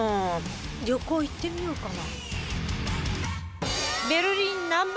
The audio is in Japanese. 旅行行ってみようかな。